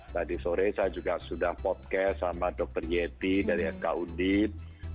tadi sore saya juga sudah podcast sama dokter yeti dari fkudip